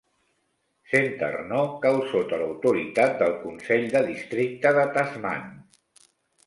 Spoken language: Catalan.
Saint Arnaud cau sota l'autoritat del Consell de districte de Tasman.